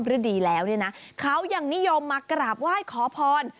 ฤดีแล้วเนี่ยนะเขายังนิยมมากราบไหว้ขอพร